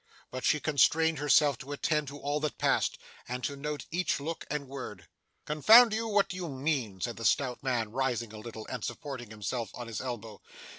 But she constrained herself to attend to all that passed, and to note each look and word. 'Confound you, what do you mean?' said the stout man rising a little, and supporting himself on his elbow.